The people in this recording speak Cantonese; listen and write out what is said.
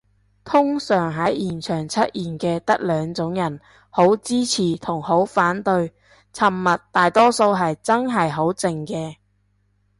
通常喺現場出現嘅得兩種人，好支持同好反對，沉默大多數係真係好靜嘅